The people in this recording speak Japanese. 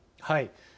はい。